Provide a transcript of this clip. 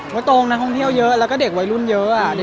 ก็ตรงฆ่องเที่ยวเยอะแล้วก็เด็กวัยรุ่นเยอะอ่ะ